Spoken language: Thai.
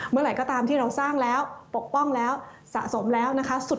เมื่อไหร่ก็ตามที่เราสร้างแล้วปกป้องแล้วสะสมแล้วนะคะ